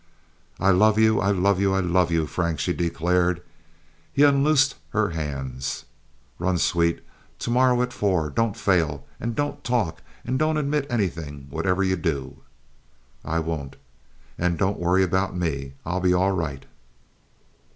"I love you! I love you! I love you, Frank!" she declared. He unloosed her hands. "Run, sweet. To morrow at four. Don't fail. And don't talk. And don't admit anything, whatever you do." "I won't." "And don't worry about me. I'll be all right."